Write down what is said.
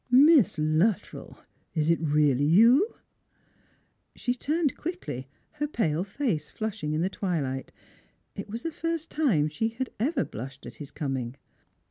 " Miss Luttrell, is it really you ?" She turned quickly, her pale face flushing in the twilight. It was the first time she had ever blushed at his coming.